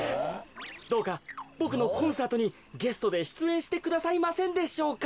どうかボクのコンサートにゲストでしゅつえんしてくださいませんでしょうか。